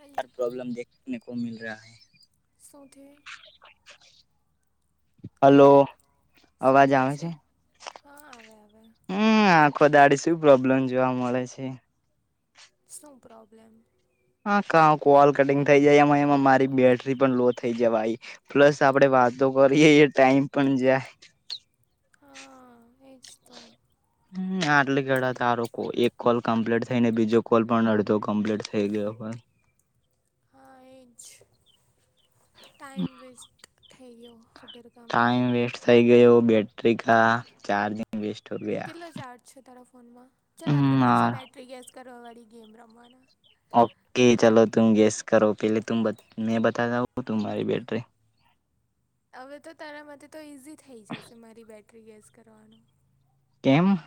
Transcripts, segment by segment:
હેલ problem દેખને કો મીલ રહ્યા હે. સૌથીે. [unintelligible] હલો હેલો શું અવાજ કહે આવે છે હા આવે આવે. હમ આખો દાડી શું પ્રોબ્લેમ જોવા મળે છે. શું પ્રોબ્લેમ. હા કા કોલ કટિંગ થઈ જાય એમાં એમાં મારી બેટરી પણ લો થઈ જવાઈ. પ્લસ આપડે વાતો કરીએ ટાઈમ પણ જાય હા એજ તો હમ આટલે કેડા તારો એક કોલ કમ્પ્લીટ થઈ ને બીજો કોલ પણ અડધો કમ્પ્લીટ થઇ ગયો હોય હા એ જ ટાઈમ વેસ્ટ થઈ ગયો વગર કામનો ટાઈમ વેસ્ટ થઈ ગયો બેટરી કા ચાર્જિંગ વેસ્ટ હો ગયા કેટલો ચાર્જ છે તારા ફોનમાં ચલ આપડે પાછા બેટરી ગેસ કરવા વાળી ગેમ રમવાના ઓકે ચલો તુમ ગેસ કરો પહેલે તુંમ બ મેં બતાતા હું તુંમારી બેટરી હવે તો તારા માતે તો ઈઝી થઈ જશે મારી બેટરી ગેસ કરવાનું કેમ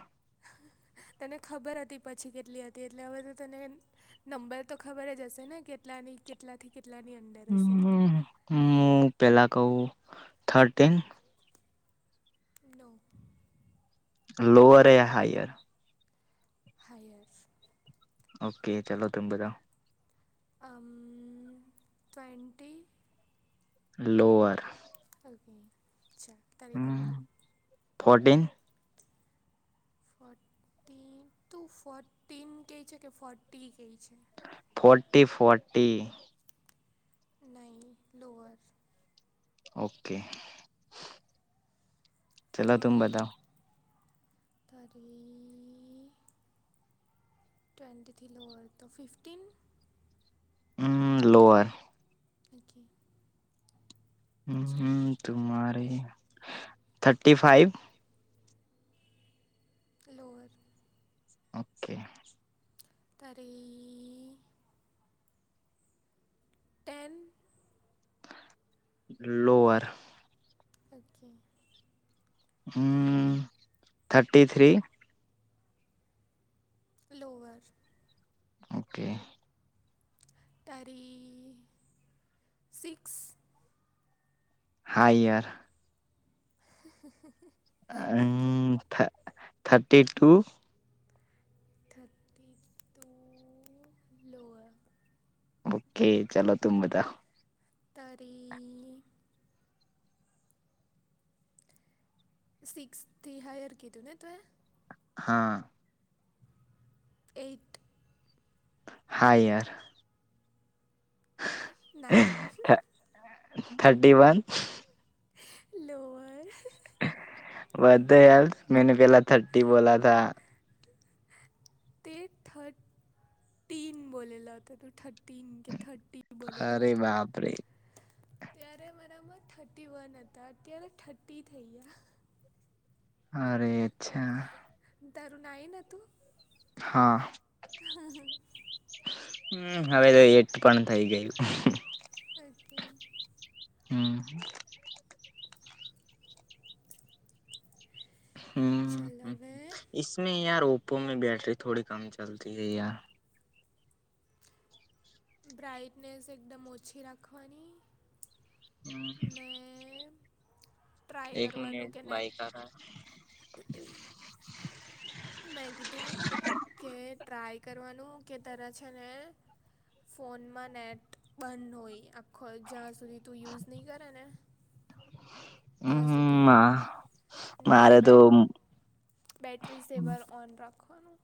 તને ખબર હતી પછી કેટલી હતી એટલે હવે તો તને નંબર તો ખબર જ હશે ને કેટલાની કેટલા થી કેટલાની અંદર હશે તે હમ હું પેલા કઉ થર્ટિન નો લોઅરે હાયર હાયર ઓકે ચલો તુમ બતાઓ અમ ટવેન્ટી લોઅર ઓકે છા [unintelligible] ફોટીન ફોર્ટીન તુ ફોર્ટીન કેય છે કે ફોર્ટી કેય છે ફોર્ટી ફોર્ટી નઈ લોઅર ઓકે ચલો તુંમ બતાઓ થરી ટવેન્ટીથી લોઅર તો ફિફટીન હમ લોઅર ઓકે ચાલ હમ તુમારે થર્ટી ફાઈવ લોઅર ઓકે તારી ટેન લોઅર ઓકે હમ થર્ટી થ્રી લોઅર ઓકે તારી સિક્સ હા યર [inaudible] ઓકે હમ thirty two thirty two lower okay ચલો તુમ બતાઓ તારી સિક્સ થી હાયર કીધું ને તુએ હા એઇટ હા year nine thirty one lower મેને પેલા થર્ટી બોલા થા હ તે થર્ટીન બોલેલા તો થટીન કે થટીન બોલેલા ત્યારે મારામાં થર્ટી વન હતા અત્યારે થર્ટી થઈ ગયા અરે અચ્છા તારુ નાઈન હતું હા હમ હ હમ હવે તો એઈટ પણ થઈ ગયું ઓકે હમ ચલ હમ હવે હસમે યાર ઓપો મે બેટરી થોડી કમ ચલતી હૈ યાર બ્રાઇટનેસ એકદમ ઓછી રાખવાની, ને ટ્રાય કરવાનું કે નેટ. હ [inaudible] [inaudible] મેં કીધું કે ટ્રાય કરવાનું કે તારે છે, ને ફોનમાં નેટ બંધ હોય, આપ ખોલ જ્યાં સુધી તું યુઝ નહીં કરે ને ત્યાં સુધી, હમ ને મારે તો બેટ બેટરી સેવર ઓન રાખવાનું,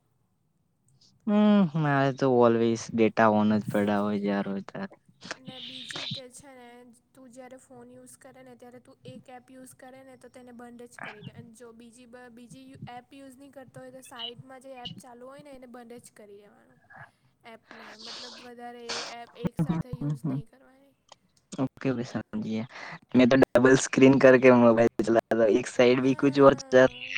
હું મારે તો ઓલવેઝ ડેટા ઓન જ પડ્યા હોય, જ્યારે હોય ત્યારે. અને બીજું કે છે. છે, નેતું જ્યારે ફોન યુઝ કરેને ત્યારે તું એકએપ યુઝ કરે નેતો તેને બંધ જ કરીદે. અને જો બીજી બ બીજી એપ યુઝ નહીં કરતો, હોય તો સાઈડમાં જે એપ ચાલુ હોયને. એને બંધજ કરી દેવાનું એપને મતલબ વધારે એક સાથે, યુઝ નહીં કરવાની. ઓકે મેં ડબલ સ્ક્રીન કર મોબાઈલ ચલાવે. સાઈડ બીક હો, હા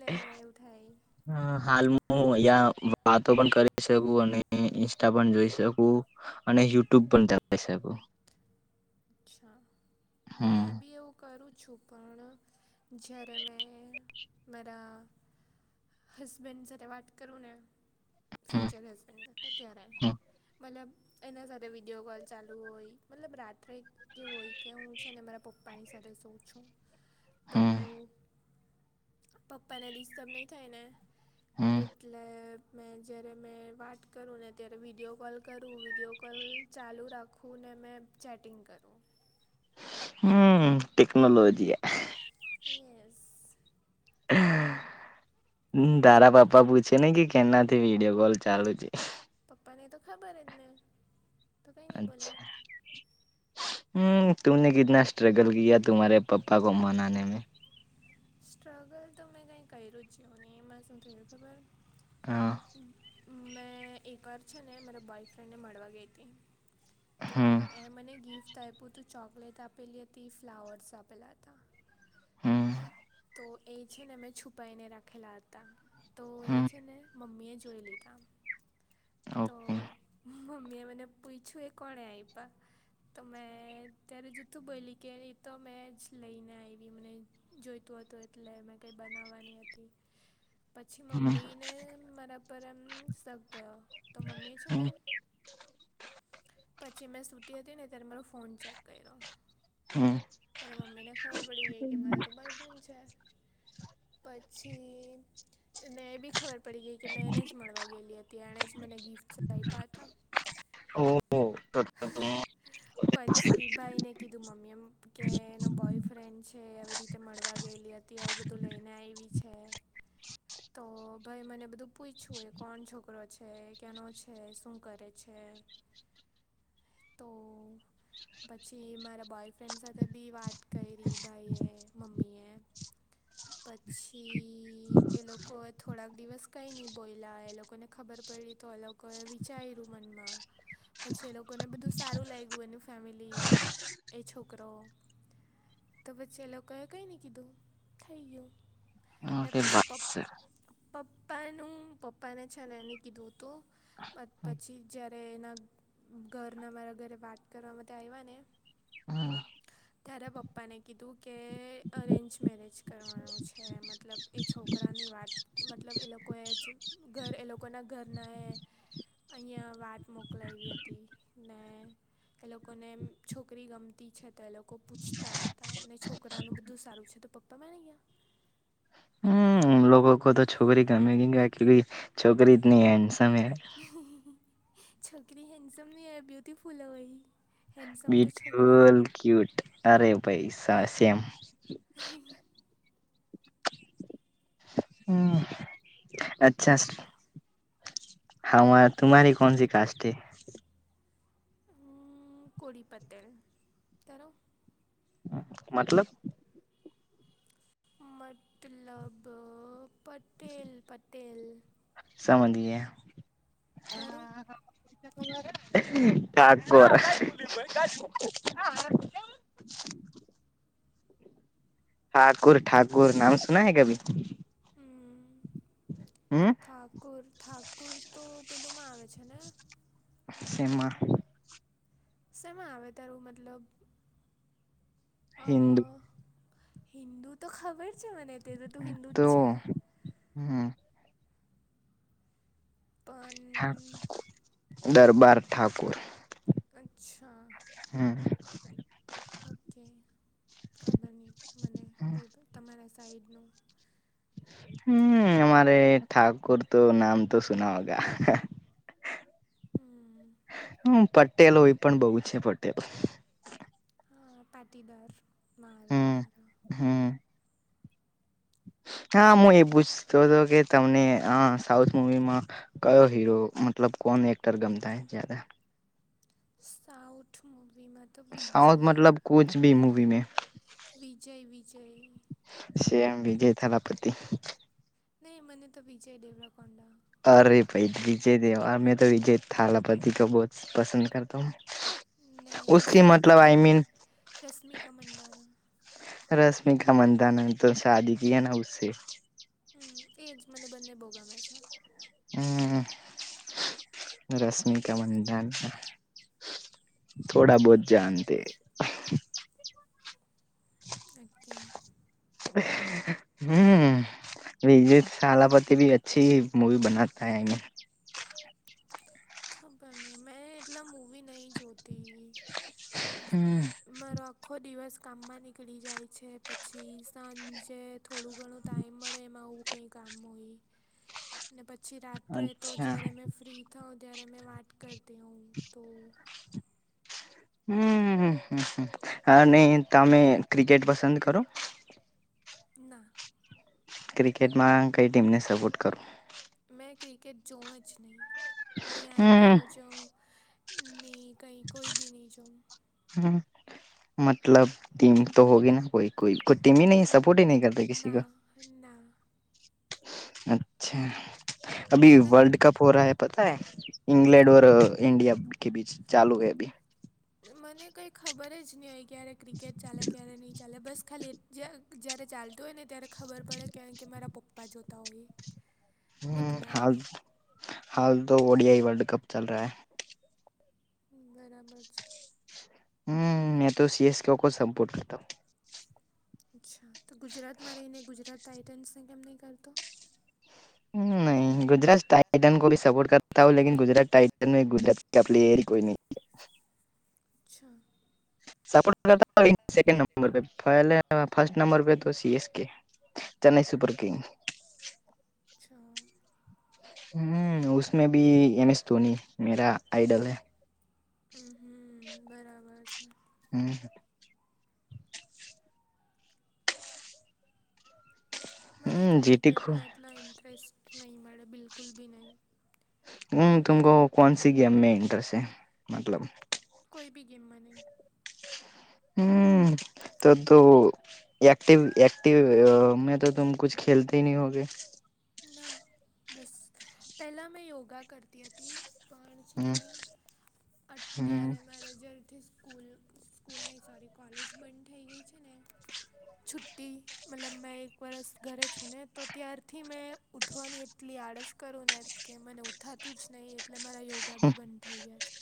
બેવ ઉઠાય, હ હાલ હું અહીં વાતો પણ કરી શકું અને ઇન્સ્ટા પણ જોઈ શકું. અને યુટ્યુબ પણ જળની શકું. અચ્છા હમ મેંબી એવું, કરું છું, પણ જ્યારે મેં મારા. હસબેન્ડ સાથે વાત કરુને. હમ ફ્યુચર હસબેન્ડ જ ત્યારે ત્યાં હમ મતલબ. એના સાથે વિડીયો કોલ ચાલુ હોય મતલબ રાત્રે, કેવું હોય કે હું છે, ને મારા પપ્પાની સાથે સુવ છું. તો હમ પપ્પાને ડિસ્ટર્બ નહીં થાય ને, એ હમ એટલે મેં જ્યારે મેં વાત કરુંને ત્યારે વિડીયોકોલ કરું વિડીયોકોલ, ચાલુ રાખુને મેં ચેટિંગ કરું, હું ટેકનોલોજી. યસ તારા પપ્પા પૂછેને કે કેનાથી વિડીયો કોલ ચાલુ છે, પપ્પા નેતો ખબર અજ નહીં બોલે અચ્છા, હું તુને કિતના સ્ટ્રગલ કિયા તુમ્હારે પપ્પાકો મનાને મેં. સ્ટ્રગલતો મેં કંઈ કર્યું જ નહીં એમાં શું થયું ખબર, હા. મેં એક વાર છે ને મારા બોયફ્રેન્ડને મડવા ગઈતી. તોએ હમ મને ગિફ્ટ આપ્યું તું ચોકલેટ આપેલી હતી ફ્લાવર્સ આપેલા હતા. હમ. તોએ છે ને મે છુપાઈને રાખેલા હતા તો એ હમ છેને મમ્મીએ જોઈ લીધા. તો ઓકે મમ્મીએ મને પૂછું એ કોણે આયપા. તો મેં ત્યારે જુથું બોલી કે એતો મેંજ લઈને આવી મને. જોઈતું હતું એટલે મેં કંઈ બનાવવાની હતી. પછી હમ મમ્મીને મારા પર એમ સક ગયો. તો મમ્મી છે ને. હમ પછી મેં સુતી હતીને ત્યારે મારો ફોન ચેક કર્યો. હમ ત્યારે મમ્મીને ખબર પડી ગઈ કે મારોતો બોયફ્રેન્ડ છે. પછીને એ ભી ખબર પડી ગઈ કે મેં એને જ મળવા ગયેલી હતી. એણે જ મને ગિફ્ટ્સ આપાતા. ઓ [unintelligible] પછી ભાઈ ને કીધું મમ્મી એમ કે એનો બોયફ્રેન્ડ છે એ રીતે મળવા ગયેલી હતી અને આવું બધું લઈને આવી છે. તો ભાઈએ મને બધું પૂછ્યું એ કોણ છોકરો છે. ક્યાંનો છે શું કરે છે તો. પછી મારા બોયફ્રેન્ડ સાથે ભી વાત કરી ભાઈ એ મમ્મી એ. પછી એ લોકો થોડા દિવસ કંઈ ની બોલ્યા એ લોકોને ખબર. પડી તો એ લોકોએ વિચાર્યું મનમાં. પછી એ લોકોને બધું સારું લાગ્યું એની ફેમિલી એ છોકરો. તો પછી એ લોકોએ કઈ ની કીધું થઈ ગયું. ને પછી પપ પપ્પાનું પપ્પાને છે ને એનું કીધું તો. પ પછી જ્યારે એના. ઘરના મારા ઘરે વાત કરવા બધા આવ્યા ને. ત્યારે પપ્પાને કીધું કે અરેન્જ મેરેજ કરવાનું છે એ મતલબ. તે છોકરાની વાત મતલબ એ લોકોએ જ ઘરે એ લોકોના ઘરનાએ. અહીંયા વાત મોકલાવી હતી ને. એ લોકોને છોકરી ગમતી છે તો એ લોકો પૂછતા હતા ને છોકરા નું બધું સારું છે તો પપ. તમે નઈ ગયા. ઉન લોગો કો તો છોકરી ગમી ગઈ હે ને કે ભી છોકરી ઇતની હેન્ડસમ હૈ. છોકરી હેન્ડસમ ની હોય બ્યુટિફુલ હોય. હેન્ડસમ તો છોકરા હોય. બ્યુટીફુલ ક્યુટ અરે ભઈ સ સેમ. હમ અચ્છા. હા મા તમારી કોન્સી કાસ્ટ હે. હું કોળી પટેલ તારું. મતલબ. મતલબ પટેલ પટેલ. સમજ તારું લીયા. ઠાકોર. [inaudible] ઠાકુર ઠાકુર નામ સુના હૈ કભી. હમ હમ ઠાકુર ઠાકુર તો પેલું મા આવે છે ને. સેમાં. સેમા આવે તારું મતલબ. અ હિન્દુ હિન્દુ તો ખબર છે મને કે તું હિન્દુ જ તો છે. હમ. પણ હું દરબાર ઠાકુર. અચ્છા હમ. ઓકે, મને ખબર નહોતી. એ તમારી સાઇડનું છે. હમ્મ... અમારા અહીં પણ ઠાકોર નામ તો સુના હોગા. હમ હમ્મ. પટેલોમાં પણ બહૂ હોય છે પટેલ. હા, અમે પાટીદાર માં આવીએ અમારા. હા હા, હું એ પૂછતો હતો કે તમને અઅ સાઉથ મૂવી મા કયો હીરો મતલબ કોન એક્ટર ગમતા હે જયાદા.? સાઉથ મુવી મા સાઉથ મતલબ કુછ ભી મુવી મે.? વિજય, વિજય સેમ વિજય થલપતિ. નઈ મને તો વિજય દેવરકોંડા. અરે ભાઈ વિજય દેવા મે તો વિજય થલપતિ બહુ પસંદ કરતા હું. ને રશ્મિકા મંડ રશમિકા મંડારા. રશ્મિ કા મંધાાન તો શાદી કી હે ના ઉસે. હમ તે જ મને બંને બહુ ગમે છે. હમ રશ્મિકા મંધાના થોડા બહુત જાણતે હે. ઓકે. હમ. વિજત થાલાપતિ ભી અચછી હી મૂવી બનાતા હે અયા. ખબર નહીં મેં એતલા મૂવી નહીં જોતી. હમ મારો આખો દિવસ કામમાં નીકળી જાય છે પછી સાંજે થોડું ઘણું ટાઈમ મળે એમાં આવું કંઈ કામ હોય ઈ. ને પછી રાત્રે તો અચ્છા જ્યારે મેં ફ્રી થઉં ત્યારે મેં વાત કરતી હોઉં તો હ અને તમે ક્રિકેટ પસંદ કરો? ના. ક્રિકેટમાં કઈ ટીમને સપોર્ટ કરો? મેં ક્રિકેટ જોવ જ નહીં ની હમ આઈપીએલ જઓ નહીં કહી કોઈ બી નહી જોવ. હમ મતલબ ટીમ તો હોગી ના કોઈ? કોઈ કોઈ ટીમી નહીં સપોર્ટ હી નહી કરતે કિસી કો.? અ ના. અચ્છા અભી ન વર્લ્ડ કપ હો રહા હૈ પતા હે? ઇંગ્લેન્ડ ડોર ઈન્ડિયા કે બીચ ચાલુ હૈ અભી. મને કંઈ ખબર જ નહી હોય ક્યારે ક્રિકેટ ચાલે ક્યારે નહીં ચાલે બસ ખાલી જ જ્યારે ચાલતું હોય ને ત્યારે ખબર પડે કારણ કે મારા પપ્પા જોતા હોઈએ. હમ હાલ હાલ તો ઓડિયાઇ વર્લ્ડ કપ ચલ રહા હૈ. બરાબર છે. હમ મેં તો સીએસ કેખ સંપોર્ટ કરતા હું. અચ્છા તો ગુજરાતમાં રહીને ગુજરાત ટાઇટન્સને કેમ નહીં કરતો? ન ગુજરાત ટાઇટન કો ભી સપોર્ટ કરતા હો લૈકિન ગુજરાત ટાઇટન ગુજરાત આપ એર કોઈ નહી. અચ્છા. સપોર્ટ [inaudible] સેકન્ડ નંબરે પહેલે, ફસ્ટ નંબર પે તો C S K Chennai super king. અચ્છા. હમ ઉસમે ભી એમ એસ ધોની મેરા આઈડલ હૈ. હમ હમ બરાબર છે. હમ. મને તો ક્રિકેટમાં એટલા ઇન્ટરેસ્ટ નહીં મળે બિલકુલ બી નહીં. હ તુમ કો કોન સી ગેમ મે ઇન્ટરેસ્ટ છે? મતલબ. કોઈ બી ગેમા નહી. હમ ત તો એક્ટિવ એક્ટિવ મેં તો તુમ કુછ ખેલતે ન હોગે. ના બસ પહેલા મેં યોગા કરતી હતી. પણ છે ને અત્યારે મેરેજર સ્કૂલ સ્કૂલ નહીં સોરી કોલેજ બંધ થઈ ગઈ છે ને છુટ્ટી મતલબ મેં એક વરસ ઘરે છું ને તો ત્યારથી. થી મેં ઉઠવાની એટલી આળસ કરું ને કે મને ઉઠાતું જ નહીં એટલે મારા યોગા બી બંધ થઈ ગયા છે.